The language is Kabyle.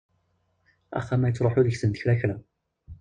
Axxam-a yettruḥ deg-sent kra kra.